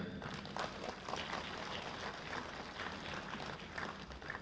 bahkan indonesia menjadi salah satu negara yang berhasil menangani krisis kesehatan dan memulihkan ekonomi dengan cepat dan baik